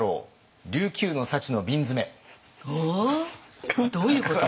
おお？どういうこと？